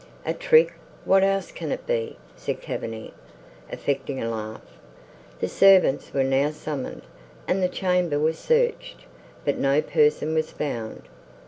"A trick! what else can it be?" said Cavigni, affecting a laugh. The servants were now summoned, and the chamber was searched, but no person was found.